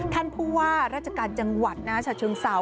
ท่านผู้ว่าราชการจังหวัดฉะเชิงเซา